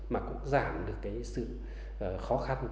mà cũng giảm được sự khó khăn